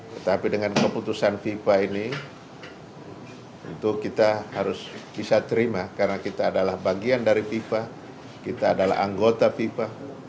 tetapi dengan keputusan fifa ini itu kita harus bisa terima karena kita adalah bagian dari fifa kita adalah anggota fifa